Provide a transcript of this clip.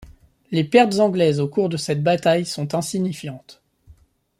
Les pertes anglaises au cours de cette bataille sont insignifiantes.